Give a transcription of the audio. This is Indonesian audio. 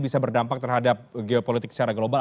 bisa berdampak terhadap geopolitik secara global